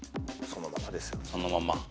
そのまま。